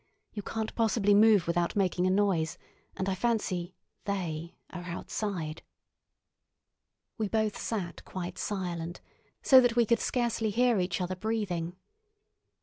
You can't possibly move without making a noise, and I fancy they are outside." We both sat quite silent, so that we could scarcely hear each other breathing.